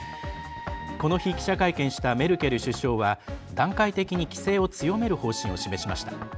この日、記者会見したメルケル首相は段階的に規制を強める方針を示しました。